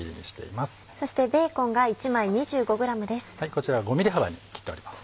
こちら５ｍｍ幅に切ってあります。